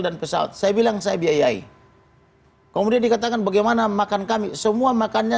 dan pesawat saya bilang saya biayai kemudian dikatakan bagaimana makan kami semua makannya